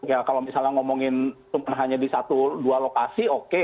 ya kalau misalnya ngomongin hanya di satu dua lokasi oke